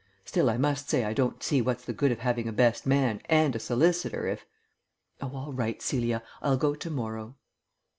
Still, I must say I don't see what's the good of having a best man and a solicitor if Oh, all right, Celia, I'll go to morrow."